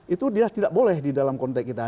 itu dia tidak boleh di dalam konteks kita